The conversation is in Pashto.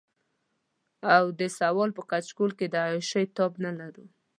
او د سوال په کچکول کې د عياشۍ تاب نه لرو.